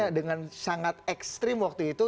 karena dengan sangat ekstrim waktu itu